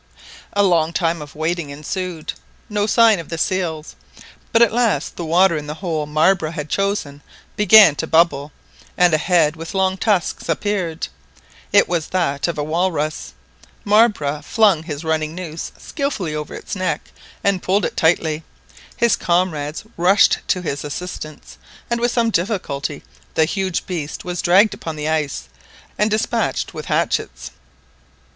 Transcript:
A long time of waiting ensued—no sign of the seals, but at last the water in the hole Marbre had chosen began to bubble, and a head with long tusks appeared. It was that of a walrus. Marbre flung his running noose skilfully over its neck and pulled it tightly. His comrades rushed to his assistance, and with some difficulty the huge beast was dragged upon the ice, and despatched with hatchets.